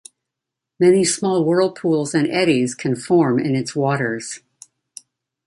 Many small whirlpools and eddies can form in its waters.